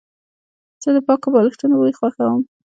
زه د پاکو بالښتونو بوی خوښوم.